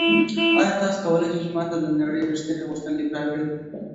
ایا تاسو کولی شئ ما ته د نړۍ ریښتیني غوښتنلیک راکړئ؟